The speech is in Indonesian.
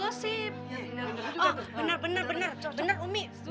oh benar benar benar benar umi